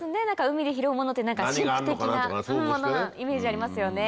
海で拾うものって神秘的なイメージありますよね。